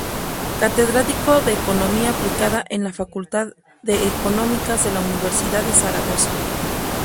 Catedrático de Economía Aplicada en la facultad de Económicas de la Universidad de Zaragoza.